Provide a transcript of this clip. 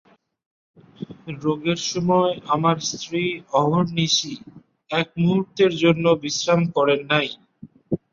রোগের সময় আমার স্ত্রী অহর্নিশি এক মুহূর্তের জন্য বিশ্রাম করেন নাই।